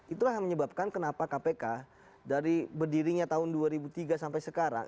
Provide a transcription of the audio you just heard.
itulah yang menyebabkan kenapa kpk dari berdirinya tahun dua ribu tiga sampai sekarang